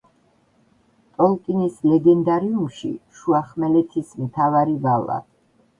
ტოლკინის ლეგენდარიუმში, შუახმელეთის მთავარი ვალა.